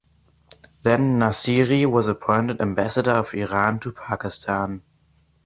Then Nassiri was appointed ambassador of Iran to Pakistan.